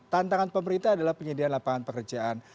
tantangan pemerintah adalah penyediaan lapangan pekerjaan